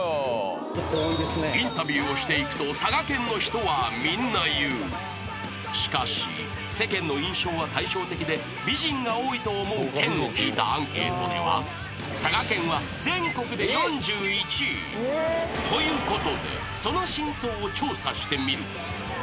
インタビューをしていくと佐賀県の人はみんな言うしかし世間の印象は対照的で美人が多いと思う県を聞いたアンケートではということでその真相を調査してみる